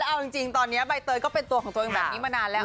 เอาจริงตอนนี้ใบเตยก็เป็นตัวของตัวเองแบบนี้มานานแล้ว